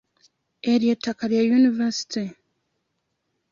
Eryo ttaka lya yunivaasite?